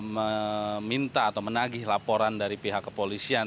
meminta atau menagih laporan dari pihak kepolisian